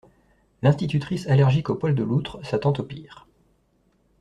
L'institutrice allergique aux poils de loutre s'attend au pire.